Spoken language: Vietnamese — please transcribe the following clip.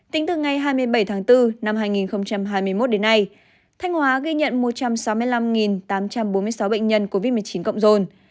tính từ ngày hai mươi bảy tháng bốn năm hai nghìn hai mươi một đến nay thanh hóa ghi nhận một trăm sáu mươi năm tám trăm bốn mươi sáu bệnh nhân covid một mươi chín cộng dồn